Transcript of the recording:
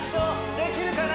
できるかな？